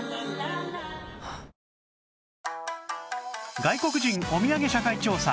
外国人おみやげ社会調査